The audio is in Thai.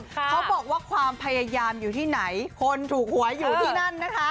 เขาบอกว่าความพยายามอยู่ที่ไหนคนถูกหวยอยู่ที่นั่นนะคะ